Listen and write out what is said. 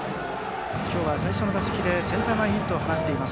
今日は最初の打席でセンター前ヒットを放っています。